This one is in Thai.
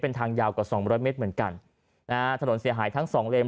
เป็นทางยาวกว่าสองร้อยเมตรเหมือนกันนะฮะถนนเสียหายทั้งสองเลน